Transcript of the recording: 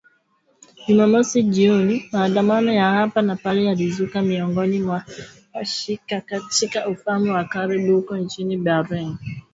Jumamosi jioni maandamano ya hapa na pale yalizuka miongoni mwa Wa shia katika ufalme wa karibu huko nchini Bahrain, kuhusiana na mauaji